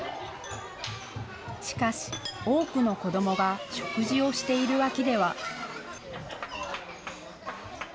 しかし、多くの子どもが食事をしている脇では。